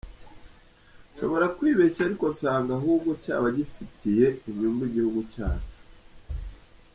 Nshobora kwibeshya ariko nsanga ahubwo cyaba gifitiye inyungu igihugu cyacu.